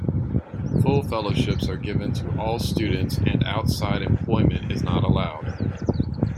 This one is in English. Full fellowships are given to all students and outside employment is not allowed.